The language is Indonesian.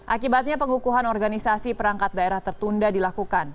akibatnya pengukuhan organisasi perangkat daerah tertunda dilakukan